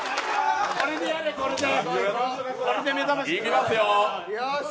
いきますよ。